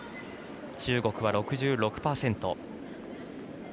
中国は６６％。